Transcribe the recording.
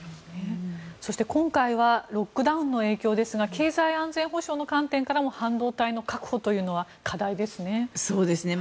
そして、今回はロックダウンの影響ですが経済安全保障の観点からも半導体の確保というのは課題ですね。